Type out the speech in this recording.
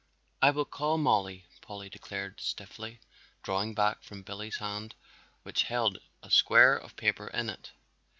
"I will call Mollie," Polly declared stiffly, drawing back from Billy's hand which held a square of paper in it.